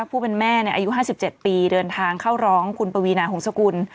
ผู้เป็นแม่อายุ๕๗ปีเดินทางเข้าร้องคุณปวีนาหงษกุล